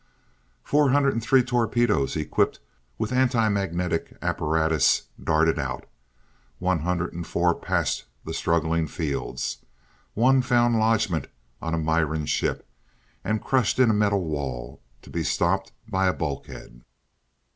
Four hundred and three torpedoes, equipped with anti magnetic apparatus darted out. One hundred and four passed the struggling fields. One found lodgement on a Miran ship, and crushed in a metal wall, to be stopped by a bulkhead.